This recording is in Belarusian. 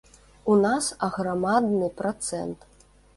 У нас аграмадны працэнт.